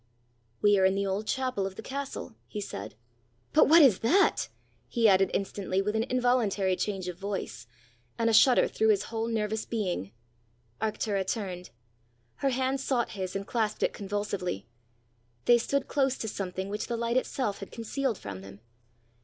"We are in the old chapel of the castle!" he said. " But what is that?" he added instantly with an involuntary change of voice, and a shudder through his whole nervous being. Arctura turned; her hand sought his and clasped it convulsively. They stood close to something which the light itself had concealed from them.